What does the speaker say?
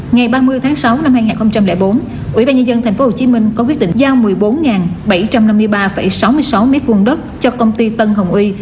ngày ba mươi tháng sáu năm hai nghìn bốn ubnd tp hcm có quyết định giao một mươi bốn bảy trăm năm mươi ba sáu mươi sáu m hai đất cho công ty tân hồng uy